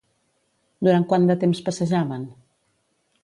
Durant quant de temps passejaven?